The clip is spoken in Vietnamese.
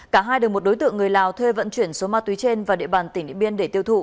cả hai đối tượng người lào thuê vận chuyển số ma túy trên và địa bàn tỉnh điện biên để tiêu thụ